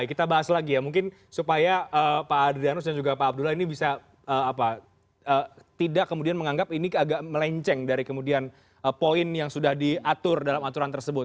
kita bahas lagi ya mungkin supaya pak adrianus dan juga pak abdullah ini bisa tidak kemudian menganggap ini agak melenceng dari kemudian poin yang sudah diatur dalam aturan tersebut